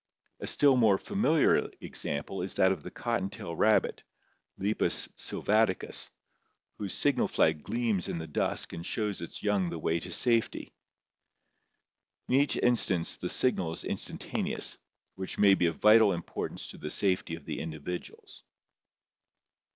A still more familiar example is that of the cottontail rabbit, Lepus sylvaticus, whose signal flag gleams in the dusk and shows its young the way to safety. In each instance the signal is instantaneous, which may be of vital importance to the safety of the individuals.